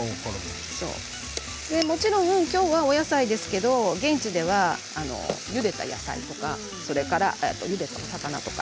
もちろんきょうはお野菜ですけど現地では、ゆでた野菜とかゆでたお魚とか。